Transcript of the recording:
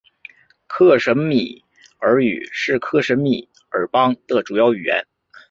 克什米尔语是克什米尔邦的主要语言。